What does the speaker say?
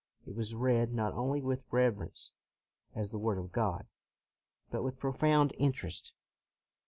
It was read not only with reverence as the Word of God, but with profound interest.